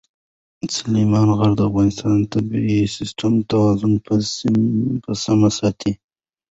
سلیمان غر د افغانستان د طبعي سیسټم توازن په سمه ساتي.